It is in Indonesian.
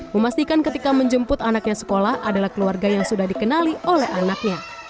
memastikan ketika menjemput anaknya sekolah adalah keluarga yang sudah dikenali oleh anaknya